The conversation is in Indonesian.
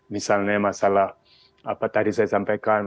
misalnya masalah apa tadi saya sampaikan